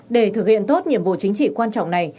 để thực hiện tốt nhiệm vụ chính trị quan trọng này